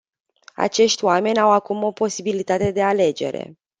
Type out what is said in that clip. Acești oameni au acum o posibilitate de alegere.